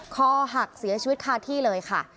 คอหักเสียชีวิตคาที่เลยค่ะ